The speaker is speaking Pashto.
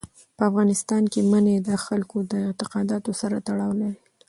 په افغانستان کې منی د خلکو د اعتقاداتو سره تړاو لري.